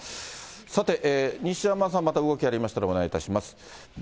さて、西山さん、また動きありましたらお願いいたします。